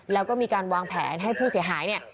แล้วก็มีการวางแผนให้ผู้เสียหายเนี่ย